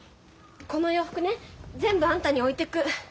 この洋服ね全部あんたに置いてく。